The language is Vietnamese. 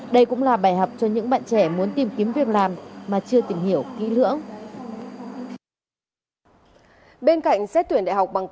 đây cũng là bài học cho những bạn trẻ muốn tìm kiếm việc làm mà chưa tìm hiểu kỹ lưỡng